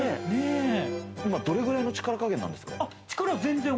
今どれくらいの力加減なんですか？